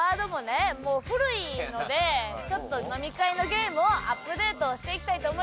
古いのでちょっと飲み会のゲームをアップデートしていきたいと思います。